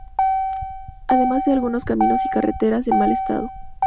Además de algunos caminos y carreteras en mal estado.